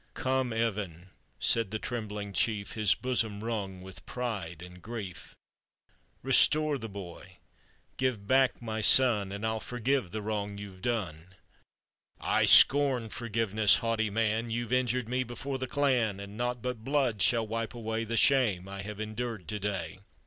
" Come, Evan," said the trembling chief, His bosom wrung with pride and grief, "Restore the boy, give back my son, And I'll forgive the wrong you've done." "1 scorn forgiveness, haughty man! You've injured me before the clan, And naught but blood shall wipe away The shame I have endured to day."